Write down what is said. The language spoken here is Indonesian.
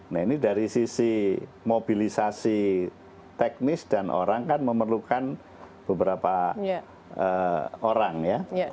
nah ini dari sisi mobilisasi teknis dan orang kan memerlukan beberapa orang ya